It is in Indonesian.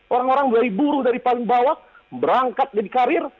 orang orang dari buruh dari paling bawah berangkat dari karir